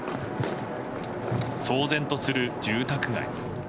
騒然とする住宅街。